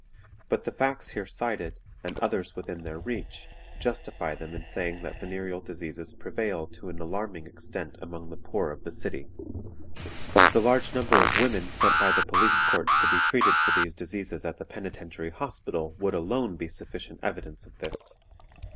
But the facts here cited, and others within their reach, justify them in saying that venereal diseases prevail to an alarming extent among the poor of the city. The large number of women sent by the police courts to be treated for these diseases at the Penitentiary Hospital would alone be sufficient evidence of this.